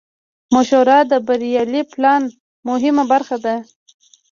مشوره د بریالي پلان مهمه برخه ده.